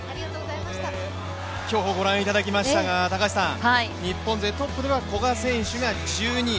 競歩ご覧いただきましたが日本勢、トップは古賀選手、１２位。